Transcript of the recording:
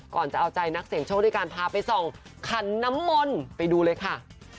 ก่อนจะเอาใจนักเสียงโชคด้วยการพาไปส่องขันน้ำมนต์ไปดูเลยค่ะ